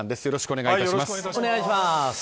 よろしくお願いします。